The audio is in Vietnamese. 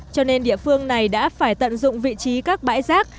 cho nên địa phương này đã phải tận dụng vị trí các bãi rác